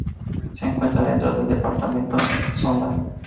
Se encuentra dentro del Departamento Zonda.